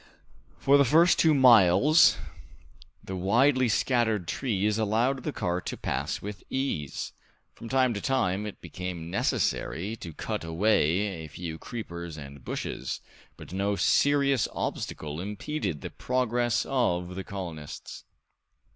For the first two miles the widely scattered trees allowed the cart to pass with ease; from time to time it became necessary to cut away a few creepers and bushes, but no serious obstacle impeded the progress of the colonists.